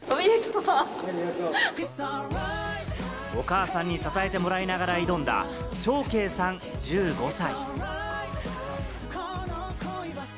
お母さんに支えてもらいながら挑んだショウケイさん、１５歳。